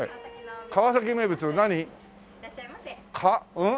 うん？